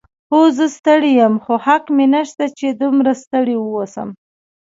هو، زه ستړی یم، خو حق مې نشته چې دومره ستړی واوسم.